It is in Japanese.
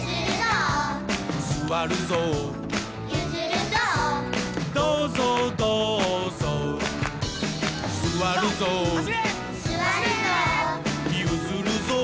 「すわるぞう」「どうぞうどうぞう」「すわるぞう」「ゆずるぞう」